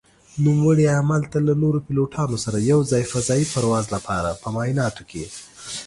نوموړي هملته له نورو پيلوټانو سره يو ځاى فضايي پرواز لپاره په معايناتو کې